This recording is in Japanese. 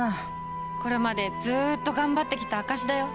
これまでずっと頑張ってきた証しだよ。